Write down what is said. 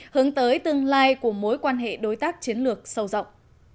hướng tới tương lai của mối quan hệ đối tác chiến lược sâu rộng